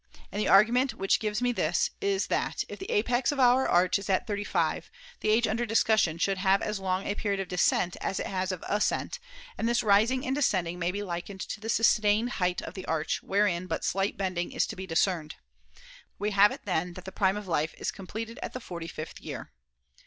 And the argument which gives me this, is that, if the apex of our arch is at thirty five, the age under discussion should have as long a period of descent as it has of ascent ; and this rising and descending may be likened to the sustained height of the arch wherein but slight bending is to be discerned. We have it, then, that the prime of life is completed at the forty fifth year.